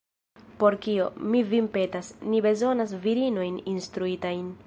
Por kio, mi vin petas, ni bezonas virinojn instruitajn?